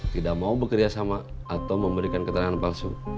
tidak mau bekerjasama atau memberikan keterangan palsu